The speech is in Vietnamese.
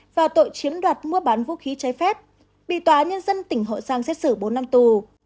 và tội chiếm đoạt mua bán vũ khí trái phép bị tòa nhân dân tỉnh hậu giang xét xử bốn năm tù